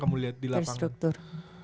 kamu lihat di lapangan